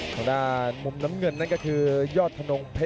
อกลุ่นและกับเรืออู๋เตอร์